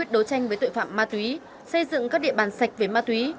đấu tranh với tội phạm ma túy xây dựng các địa bàn sạch về ma túy